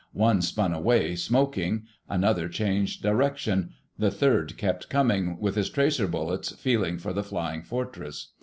One spun away, smoking; another changed direction. The third kept coming, with his tracer bullets feeling for the Flying Fortress.